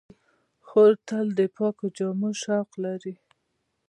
خور تل د پاکو جامو شوق لري.